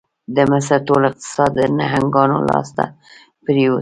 د مصر ټول اقتصاد د نهنګانو لاس ته پرېوت.